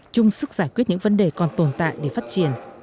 chung sức giải quyết những vấn đề còn tồn tại để phát triển